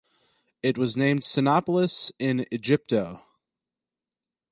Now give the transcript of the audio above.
It was named Cynopolis in Aegypto.